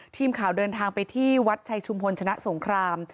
ทีมข่าวเดินทางไปที่วัดชัยชุมพลชนะสงคราม